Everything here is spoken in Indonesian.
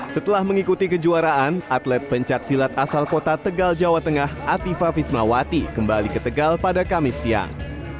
setelah mengikuti kejuaraan atlet pencaksilat asal kota tegal jawa tengah atifa vismawati kembali ke tegal pada kamis siang